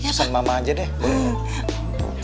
pesan mama aja deh boleh nggak